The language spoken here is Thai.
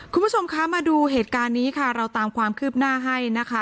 คุณผู้ชมคะมาดูเหตุการณ์นี้ค่ะเราตามความคืบหน้าให้นะคะ